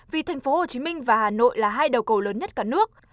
vì tp hcm và hà nội là hai đầu cầu lớn nhất cả nước